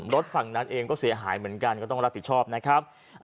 รถฝั่งนั้นเองก็เสียหายเหมือนกันก็ต้องรับผิดชอบนะครับ